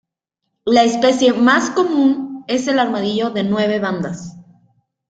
La especie más común es el armadillo de nueve bandas.